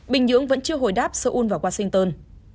bình nhưỡng vẫn chưa hồi đáp seoul và washington